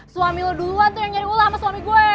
suami lo duluan tuh yang nyari ular sama suami gue